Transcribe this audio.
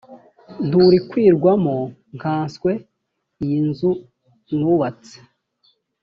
nturikwirwamo nkanswe iyi nzu nubatse